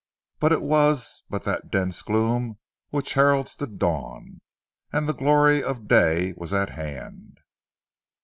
But it was but that dense gloom which heralds the dawn. And the glory of day was at hand.